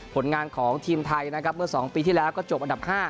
ผลงานของทีมไทยนะครับเมื่อ๒ปีที่แล้วก็จบอันดับ๕